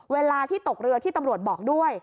เวลาที่ตกเรือที่ตำรวจบอกด้วย